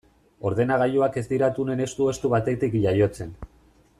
Ordenagailuak ez dira tunel estu-estu batetik jaiotzen.